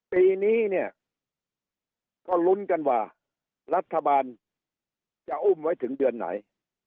ปีนี้เนี่ยก็ลุ้นกันว่ารัฐบาลจะอุ้มไว้ถึงเดือนไหน